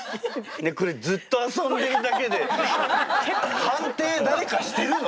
これずっと遊んでるだけで判定誰かしてるの？